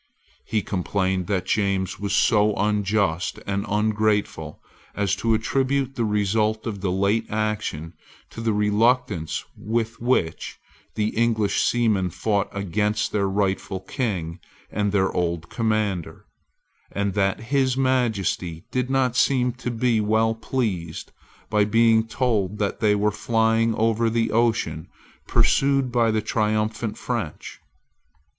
He complained that James was so unjust and ungrateful as to attribute the result of the late action to the reluctance with which the English seamen fought against their rightful King and their old commander, and that his Majesty did not seem to be well pleased by being told that they were flying over the ocean pursued by the triumphant French.